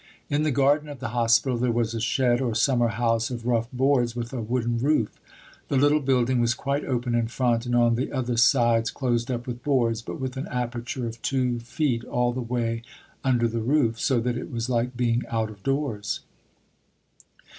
In the garden of the Hospital there was a shed or summer house of rough boards, with a wooden roof; the little building was quite open in front and on the other sides closed up with boards but with an aperture of two feet all the way under the roof so that it was like being out of doors.